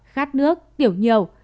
khát nước tiểu nhiều